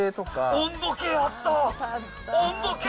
温度計、あった！